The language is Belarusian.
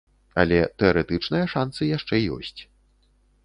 Але тэарэтычныя шанцы яшчэ ёсць.